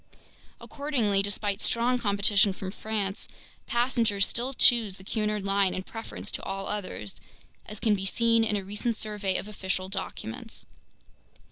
Accordingly, despite strong competition from France, passengers still choose the Cunard line in preference to all others, as can be seen in a recent survey of official documents.